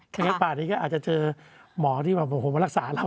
ในป่านี้ก็อาจจะเจอหมอที่แบบโอ้โหมารักษาเรา